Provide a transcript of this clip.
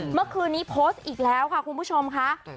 เมื่อคืนนี้โพสต์อีกแล้วค่ะคุณผู้ชมค่ะ